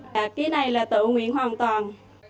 cái này là tự nguyện hoàn toàn